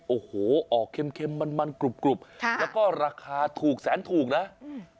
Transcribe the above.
โอ้โหออกเค็มเข้มมันมันกรุบกรุบค่ะแล้วก็ราคาถูกแสนถูกนะอืม